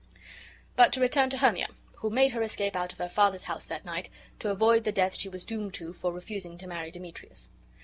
But to return to Hermia, who made her escape out of her father's house that night, to avoid the death she was doomed to for refusing to marry Demetrius.